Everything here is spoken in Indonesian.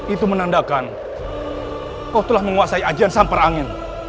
itu menandakan kau telah menguasai ajan sampar angin